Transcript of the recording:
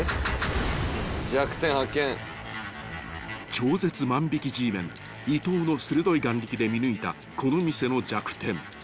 ［超絶万引Ｇメン伊東の鋭い眼力で見抜いたこの店の弱点］